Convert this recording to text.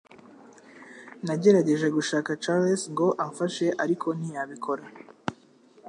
Nagerageje gushaka Charles ngo amfashe ariko ntiyabikora